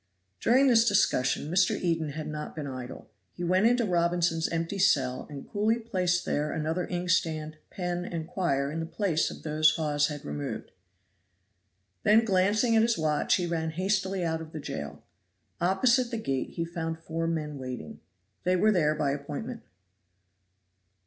During this discussion Mr. Eden had not been idle; he went into Robinson's empty cell and coolly placed there another inkstand, pen and quire in the place of those Hawes had removed. Then glancing at his watch he ran hastily out of the jail. Opposite the gate he found four men waiting; they were there by appointment.